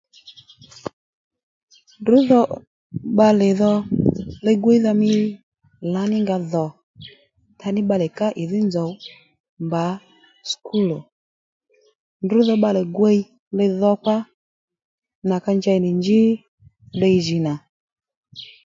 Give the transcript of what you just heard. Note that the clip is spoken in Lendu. Ndrǔ dho bbalè dho li-gwíydha mí lǎnínga dhò ndaní bbalè ká ìdhí nzòw mbà sùkúl ò ndrǔ dho bbalè gwiy li-dhokpa nà ka njey nì njí ddiy jì nà